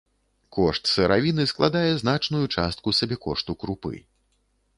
Кошт сыравіны складае значную частку сабекошту крупы.